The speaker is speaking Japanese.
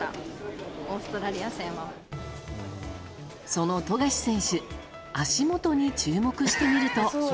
その富樫選手足元に注目してみると。